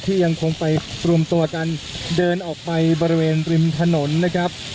ยังคงไปรวมตัวกันเดินออกไปบริเวณริมถนนนะครับ